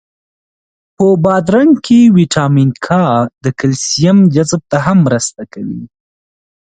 په بادرنګ کی ویټامین کا د کلسیم جذب ته هم مرسته کوي.